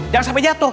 jangan sampai jatuh